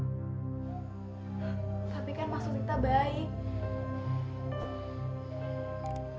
tapi kan maksud kita baik